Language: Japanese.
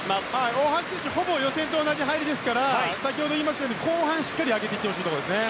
大橋選手予選と同じ入りなので後半、しっかりと上げていってほしいところですね。